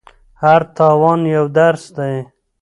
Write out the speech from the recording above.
هر تاوان یو درس دی.